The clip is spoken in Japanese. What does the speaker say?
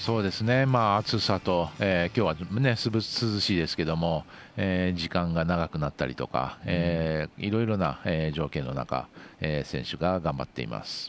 暑さときょうは涼しいですけど時間が長くなったりとかいろいろな条件の中選手が頑張っています。